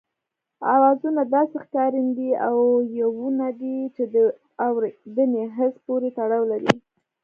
آوازونه داسې ښکارندې او يوونونه دي چې د اورېدني حس پورې تړاو لري